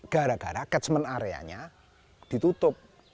gara gara catchment areanya ditutup